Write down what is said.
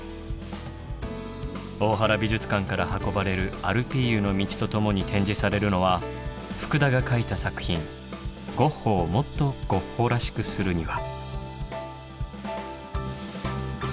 大原美術館から運ばれる「アルピーユの道」と共に展示されるのは福田が描いた作品「ゴッホをもっとゴッホらしくするには」。